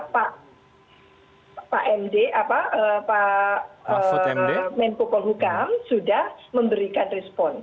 pak md pak menteri pukul hukum sudah memberikan respon